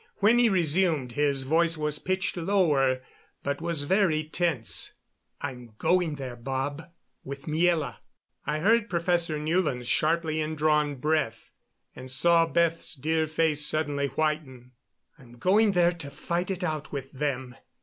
When he resumed his voice was pitched lower, but was very tense. "I'm going there, Bob with Miela." I heard Professor Newland's sharply indrawn breath, and saw Beth's dear face suddenly whiten. "I'm going there to fight it out with them.